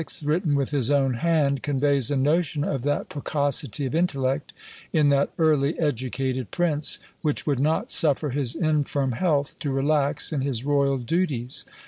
written with his own hand, conveys a notion of that precocity of intellect, in that early educated prince, which would not suffer his infirm health to relax in his royal duties.